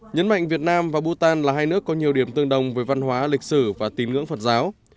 nhấn mạnh việt nam và bhutan là hai nước có nhiều điểm tương đồng với văn hóa lịch sử và tín ngưỡng phật giáo